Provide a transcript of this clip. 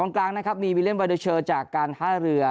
กลางนะครับมีวิเล่นวาเดอร์เชอร์จากการท่าเรือ